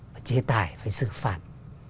phải chế tài phải xử phạt